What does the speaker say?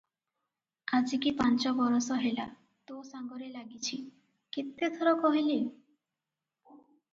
ଆଜିକି ପାଞ୍ଚ ବରଷ ହେଲା ତୋ ସାଙ୍ଗରେ ଲାଗିଛି, କେତେ ଥର କହିଲି!